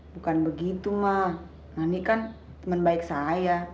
bukan begitu ma nani kan teman baik saya